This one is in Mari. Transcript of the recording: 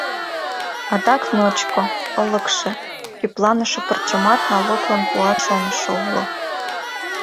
Адак ночко, ылыкше, кӱпланыше пырчымат налоглан пуаш шонышо уло.